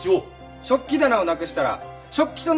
食器棚をなくしたら食器と鍋はどこに？